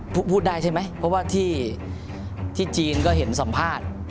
พูดได้ใช่ไหมเพราะว่าที่จีนก็เห็นสัมภาษณ์